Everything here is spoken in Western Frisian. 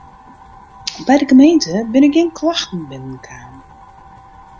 By de gemeente binne gjin klachten binnen kaam.